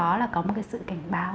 đó là có một cái sự cảnh báo